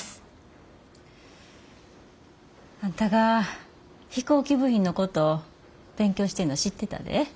あんたが飛行機部品のこと勉強してんのは知ってたで。